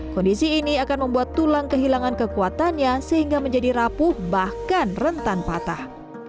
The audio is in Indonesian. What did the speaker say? kondisi ini akan membuat tulang kehilangan kekuatannya sehingga menjadi rapuh bahkan rentan patah